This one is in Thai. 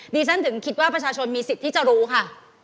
ดิฉันถึงคิดว่าประชาชนมีสิทธิ์ที่จะรู้ค่ะ